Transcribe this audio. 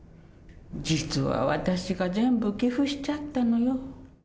実は、私が全部寄付しちゃったのよ。